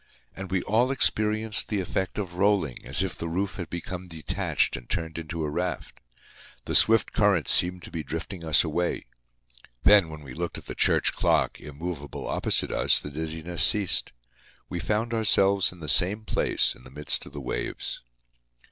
And we all experienced the effect of rolling, as if the roof had become detached and turned into a raft. The swift currents seemed to be drifting us away. Then, when we looked at the church clock, immovable opposite us, the dizziness ceased; we found ourselves in the same place in the midst of the waves.